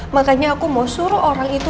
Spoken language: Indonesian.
makanya aku mau suruh orang itu